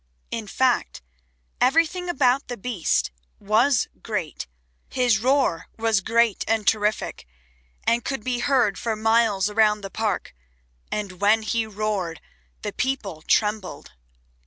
In fact everything about the Beast was great; his roar was great and terrific and could be heard for miles around the park, and when he roared the people trembled.